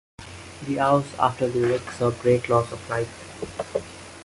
The hours after the wreck saw great loss of life.